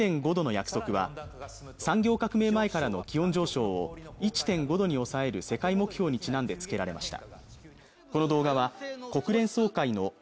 タイトルにある「１．５℃の約束」は産業革命前からの気温上昇を１．５度に抑える世界目標にちなんで付けられました